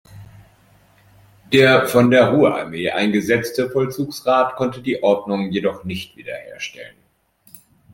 Der von der Ruhrarmee eingesetzte Vollzugsrat konnte die Ordnung jedoch nicht wiederherstellen.